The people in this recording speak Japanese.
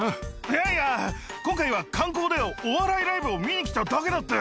いやいや、今回は観光だよ、お笑いライブを見に来ただけだって。